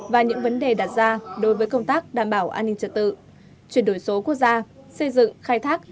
và những vấn đề đặt ra đối với công tác đảm bảo an ninh trật tự chuyển đổi số quốc gia xây dựng khai thác